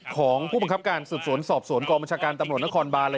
ของผู้บังคับการสืบสวนสอบสวนกองบัญชาการตำรวจนครบานเลย